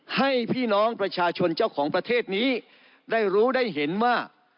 ให้พี่น้องประชาชนเจ้าของประเทศนี้ได้รู้ได้เห็นว่า